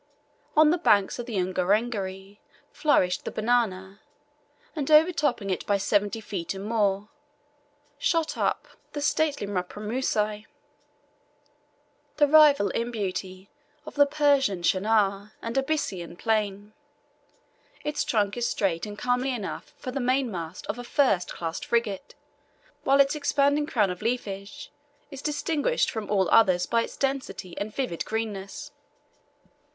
On the banks of the Ungerengeri flourished the banana, and overtopping it by seventy feet and more, shot up the stately mparamusi, the rival in beauty of the Persian chenar and Abyssinian plane. Its trunk is straight and comely enough for the mainmast of a first, class frigate, while its expanding crown of leafage is distinguished from all others by its density and vivid greenness.